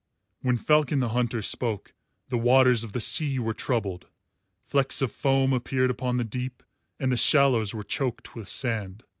When Falcon the Hunter spoke, the waters of the sea were troubled, flecks of foam appeared upon the deep, and the shallows were choked with sand.